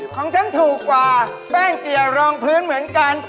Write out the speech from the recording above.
ของฉันถูกกว่าแป้งเปียกรองพื้นเหมือนกัน